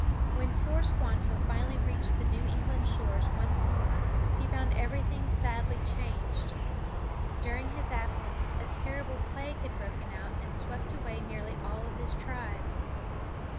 When poor Squanto finally reached the New England shores once more he found everything sadly changed. During his absence a terrible plague had broken out and swept away nearly all his tribe.